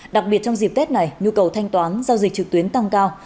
đặc biệt trong dịp tết này nhu cầu thanh toán giao dịch trực tuyến tăng cao